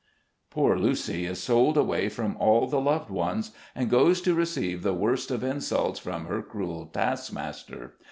Poor Lucy is sold away from all the loved ones, and goes to receive the worst of insults from her cruel task master.